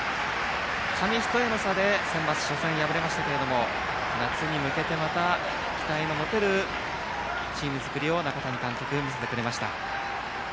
紙一重の差でセンバツ初戦、敗れましたが夏に向けて、また期待が持てるチーム作りを中谷監督、見せてくれました。